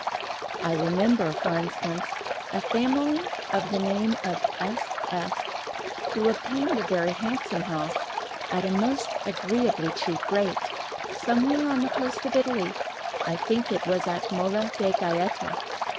I remember, for instance, a family of the name of S—— S——, who obtained a very handsome house at a most agreeably cheap rate, somewhere on the coast of Italy—I think it was at Mola de Gaeta.